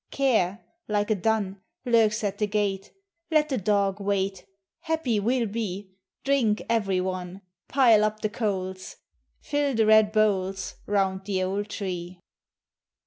Care, like a dun. Lurks at the gate: Let the dog wait; Happy we Ml be! Drink, every one; Pile up the coals; Fill the red bowls. Kound the old tree